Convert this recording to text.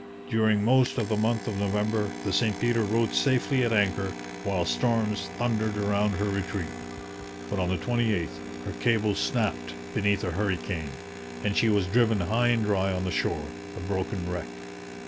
During most of the month of November the St Peter rode safely at anchor while storms thundered around her retreat; but on the 28th her cable snapped beneath a hurricane, and she was driven high and dry on the shore, a broken wreck.